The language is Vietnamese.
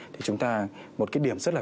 thì chúng ta một cái điểm rất là